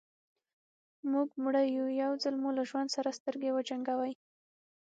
موږ مړه يو يو ځل مو له ژوند سره سترګې وجنګوئ.